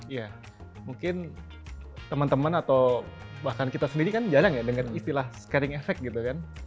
ya mungkin teman teman atau bahkan kita sendiri kan jarang ya denger istilah scaring effect gitu kan